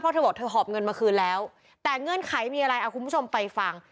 เธอบอกเธอหอบเงินมาคืนแล้วแต่เงื่อนไขมีอะไรเอาคุณผู้ชมไปฟัง